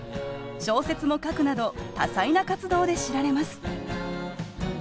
小説も書くなど多彩な活動で知られます。